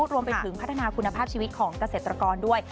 รวมไปถึงพัฒนาคุณภาพชีวิตของเกษตรกรด้วย